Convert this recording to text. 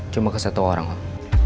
cuma ke satu orang om